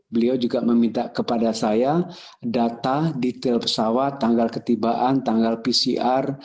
beliau juga meminta kepada saya data detail pesawat tanggal ketibaan tanggal pcr